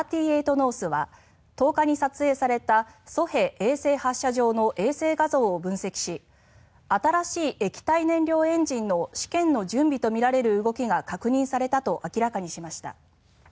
ノースは１０日に撮影された西海衛星発射場の衛星画像を分析し新しい液体燃料エンジンの試験の準備とみられる動きが確認されたと明らかにしました。